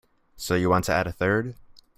So you want to add a third?